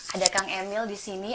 ada kang emil disini